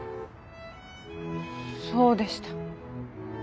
そうでした。